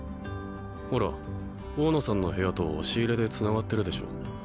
ほら大野さんの部屋と押し入れでつながってるでしょ